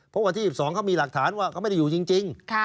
เพราะวันที่๑๒เขามีหลักฐานว่าเขาไม่ได้อยู่จริง